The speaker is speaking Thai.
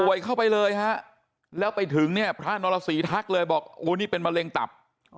เข้าไปเลยฮะแล้วไปถึงเนี่ยพระนรสีทักเลยบอกโอ้นี่เป็นมะเร็งตับ